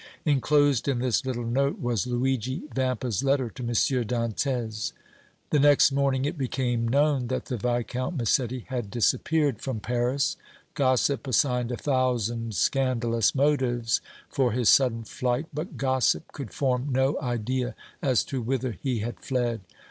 Enclosed in this little note was Luigi Vampa's letter to M. Dantès. The next morning it became known that the Viscount Massetti had disappeared from Paris. Gossip assigned a thousand scandalous motives for his sudden flight, but gossip could form no idea as to whither he had fled.